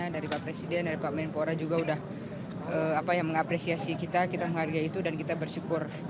dari pak presiden dari pak menpora juga sudah mengapresiasi kita kita menghargai itu dan kita bersyukur